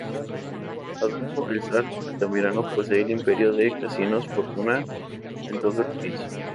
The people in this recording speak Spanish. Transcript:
Adolfo "El Zar" Altamirano posee el imperio de casinos Fortuna en todo el país.